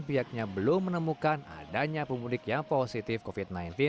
pihaknya belum menemukan adanya pemudik yang positif covid sembilan belas